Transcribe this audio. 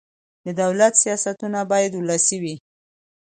د دولت سیاستونه باید ولسي وي